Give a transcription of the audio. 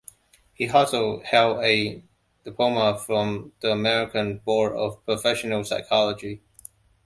He also held a diploma from the American Board of Professional Psychology.